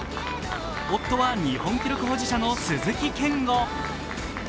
夫は、日本記録保持者の鈴木健吾。